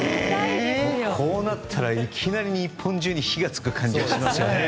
こうなったらいきなり日本中に火が付く感じがしますね。